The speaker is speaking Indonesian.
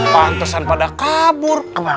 pantesan pada kabur